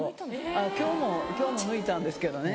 あっ今日も今日も抜いたんですけどね。